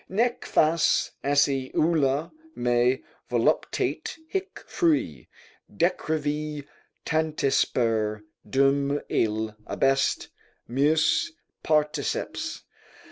"Nec fas esse ulla me voluptate hic frui Decrevi, tantisper dum ille abest meus particeps."